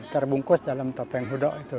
terbungkus dalam topeng hudok itu